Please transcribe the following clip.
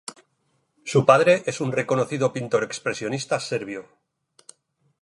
Su padre es un reconocido pintor expresionista serbio.